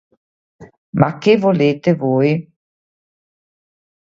Ma che volete voi?